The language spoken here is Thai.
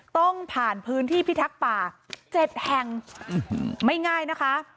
ต้องผ่านพื้นที่พิทักษ์ป่า๗แห่งไม่ง่ายนะคะ